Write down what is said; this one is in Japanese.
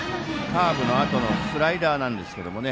カーブのあとのスライダーなんですけどね。